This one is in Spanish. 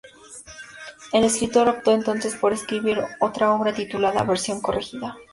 El escritor optó entonces por escribir otra obra, titulada "Versión corregida".